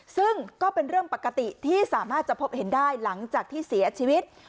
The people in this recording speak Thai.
ซึ่งก็เป็นเรื่องปกติที่สามารถจะพบเห็นได้หลังจากที่เสียชีวิต